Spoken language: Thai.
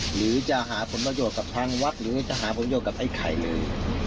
หรือจะหาผลประโยชน์กับทางวัดหรือจะหาผลโยชนกับไอ้ไข่เลย